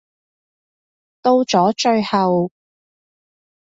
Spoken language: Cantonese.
到咗最後